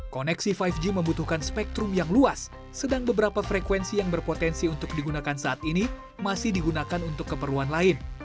koneksi lima g membutuhkan spektrum yang luas sedang beberapa frekuensi yang berpotensi untuk digunakan saat ini masih digunakan untuk keperluan lain